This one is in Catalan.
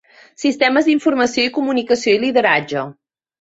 Sistemes d'informació i comunicació i lideratge.